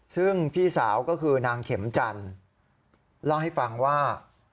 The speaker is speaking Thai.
ซึ่งพี่สาวก็คือนางเข็มจันทร์เล่าให้ฟังว่า